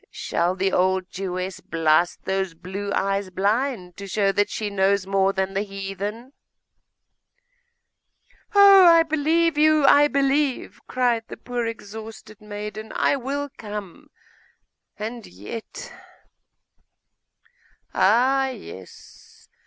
Shall the old Jewess blast those blue eyes blind to show that she knows more than the heathen?' 'Oh, I believe you I believe,' cried the poor exhausted maiden. 'I will come; and yet ' 'Ah! yes!